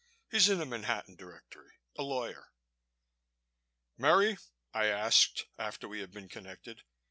He's in the Manhattan Directory a lawyer." "Merry?" I asked, after we had been connected.